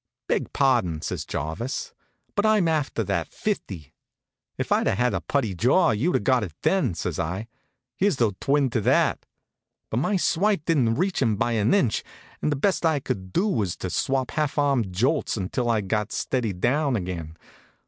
"Beg pardon," says Jarvis; "but I'm after that fifty." "If I'd had a putty jaw, you'd got it then," says I. "Here's the twin to that." But my swipe didn't reach him by an inch, and the best I could do was to swap half arm jolts until I'd got steadied down again.